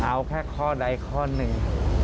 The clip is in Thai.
เอาแค่ข้อใดข้อหนึ่ง